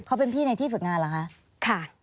เขาเป็นพี่ในที่ฝึกงานเหรอคะ